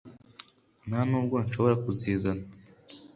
nta nubwo nshobora kuzizana